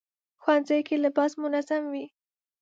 ښوونځی کې لباس منظم وي